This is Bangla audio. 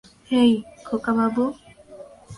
হেই, খোকাবাবু।